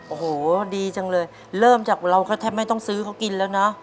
โอ้โหดีจังเลยเริ่มจากเราก็แทบไม่ต้องซื้อเขากินแล้วนะ